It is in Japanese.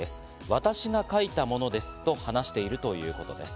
私が書いたものですと話しているということです。